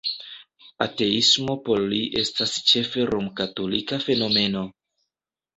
Ateismo por li estas ĉefe romkatolika fenomeno!